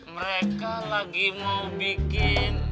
mereka lagi mau bikin